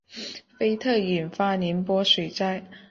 菲特引发宁波水灾。